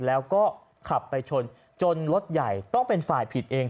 แล้วก็ขับไปชนจนรถใหญ่ต้องเป็นฝ่ายผิดเอง